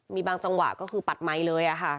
มีบางจังหวะก็คือปัดไมค์เลยค่ะ